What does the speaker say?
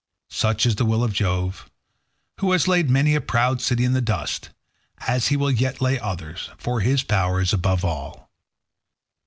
Such is the will of Jove, who has laid many a proud city in the dust, as he will yet lay others, for his power is above all.